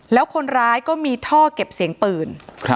แล้วคนร้ายก็มีท่อเก็บเสียงปืน